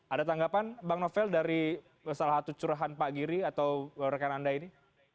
ada tanggapan bang novel dari salah satu curahan pak giri atau rekan anda ini